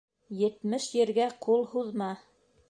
Етмеш ергә ҡул һуҙма.